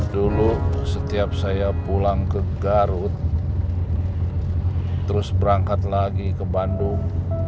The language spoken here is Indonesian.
dulu setiap saya pulang ke garut terus berangkat lagi ke bandung